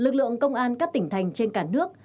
lực lượng công an các tỉnh thành trên cả nước